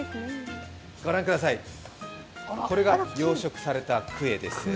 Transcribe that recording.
ご覧ください、これが養殖されたクエです。